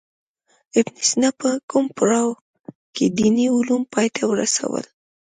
ابن سینا په کوم پړاو کې دیني علوم پای ته ورسول.